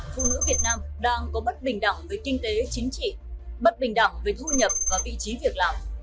phụ nữ việt nam đang có bất bình đẳng về kinh tế chính trị bất bình đẳng về thu nhập và vị trí việc làm